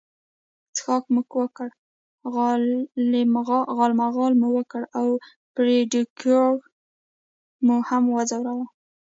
څښاک مو وکړ، غالمغال مو وکړ او فرېډریکو مو هم وځوراوه.